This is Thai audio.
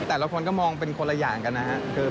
แต่ละคนก็มองเป็นคนละอย่างกันนะครับ